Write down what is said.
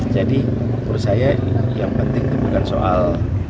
jadi menurut saya yang penting bukan soal